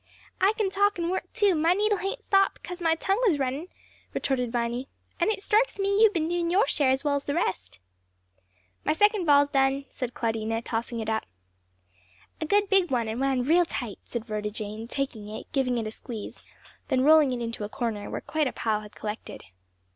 "I can talk and work too; my needle haint stopped because my tongue was runnin'," retorted Viny; "and it strikes me you've been doin' your share as well's the rest." "My second ball's done," said Claudina, tossing it up. "A good big one too, and wound real tight," said Rhoda Jane taking it, giving it a squeeze, then rolling it into a corner where quite a pile had collected.